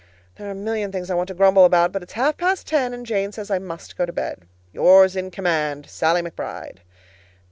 There are a million things I want to grumble about, but it's half past ten, and Jane says I MUST go to bed. Yours in command, SALLIE McBRIDE.